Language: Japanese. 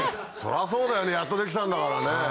そりゃそうだよやっと出来たんだからね。